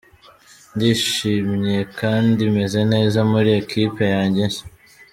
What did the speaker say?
Ndishimye kandi meze neza muri Equipe yange nshya.